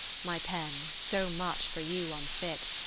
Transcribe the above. X My pen so much for you unfit.